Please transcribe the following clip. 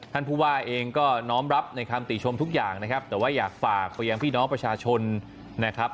ท่านผู้ว่าเองก็น้อมรับในคำติชมทุกอย่างนะครับแต่ว่าอยากฝากไปยังพี่น้องประชาชนนะครับ